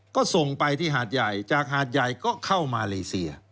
ก็ส่งไปที่หาดใหญ่จากหาดใหญ่ก็เข้ามาเลเซีย